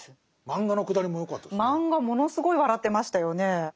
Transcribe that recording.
漫画ものすごい笑ってましたよね。